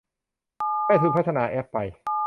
ได้ทุนพัฒนาแอปไป